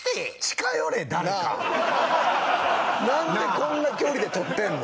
なんでこんな距離で撮ってんの？